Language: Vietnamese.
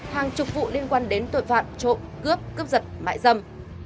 hàng chục vụ liên quan đến tội phạm trộm cướp cướp giật mại dâm